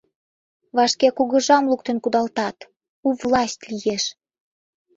Вашке кугыжам луктын кудалтат, у власть лиеш.